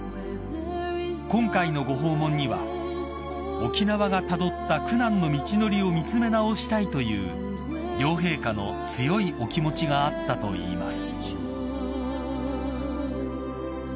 ［今回のご訪問には沖縄がたどった苦難の道のりを見詰め直したいという両陛下の強いお気持ちがあったといいます］